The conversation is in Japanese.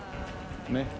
ねっ。